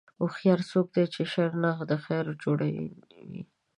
هوښیار څوک دی چې د شر نه د خیر جوړوونکی وي.